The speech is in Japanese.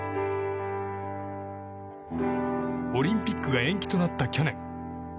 オリンピックが延期となった去年。